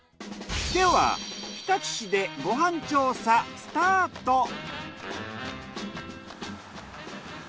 では日立市でご飯調査スタート。